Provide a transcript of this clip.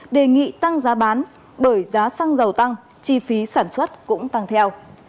đề nghị tăng giá bán bởi giá xăng dầu tăng chi phí sản xuất cũng tăng theo